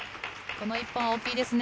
この一本は大きいですね。